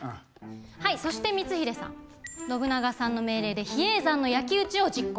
はいそして光秀さん信長さんの命令で比叡山の焼き打ちを実行。